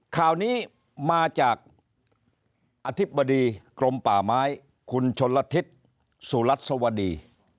ข่าวนี้มาจากอธิบดีกรมป่าไม้คุณชนละทิศสุรัสวดี